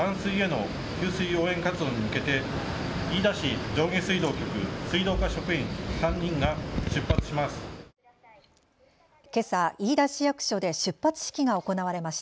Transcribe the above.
これから静岡市清水区の断水への給水応援活動に向けて飯田市上下水道局水道課職員３人が出発します。